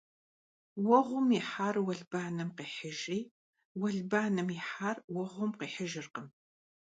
Vueğum yihar vuelbanem khêhıjjri, vuelbanem yihar vueğum khihıjjırkhım.